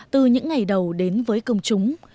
từ những ngày đầu đến với công chúng